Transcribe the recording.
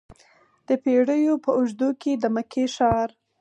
د پیړیو په اوږدو کې د مکې ښار.